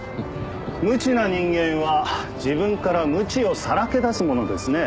無知な人間は自分から無知をさらけ出すものですね。